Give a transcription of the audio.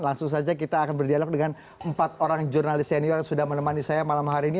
langsung saja kita akan berdialog dengan empat orang jurnalis senior yang sudah menemani saya malam hari ini